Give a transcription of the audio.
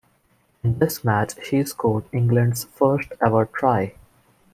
In this match he scored England's first ever try.